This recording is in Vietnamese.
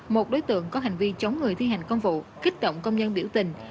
một đối tượng có hành vi chống người thi hành công vụ kích động công nhân biểu tình